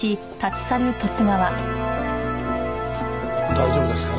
大丈夫ですかね？